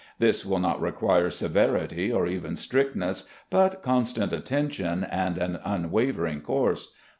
This will not require severity or even strictness, but constant attention and an tmwavering course.